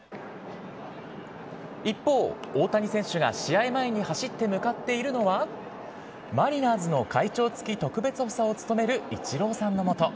一方、大谷選手が試合前に走って向かっているのは、マリナーズの会長付特別補佐を務めるイチローさんのもと。